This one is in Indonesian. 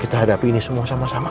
kita hadapi ini semua sama sama